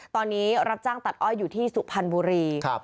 ตอนนี้รับจ้างตัดอ้อยอยู่ที่สุพรรณบุรี